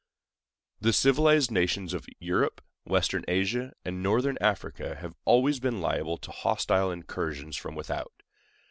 The civilized nations of Europe, western Asia, and northern Africa have always been liable to hostile incursions from without.